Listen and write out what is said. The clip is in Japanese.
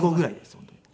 本当に。